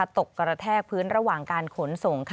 กระแทกพื้นระหว่างการขนส่ง